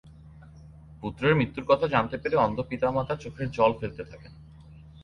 পুত্রের মৃত্যুর কথা জানতে পেরে অন্ধ পিতা-মাতা চোখের জল ফেলতে থাকেন।